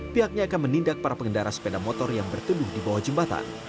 pihaknya akan menindak para pengendara sepeda motor yang berteduh di bawah jembatan